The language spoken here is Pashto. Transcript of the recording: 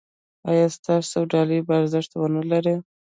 ایا ستاسو ډالۍ به ارزښت و نه لري؟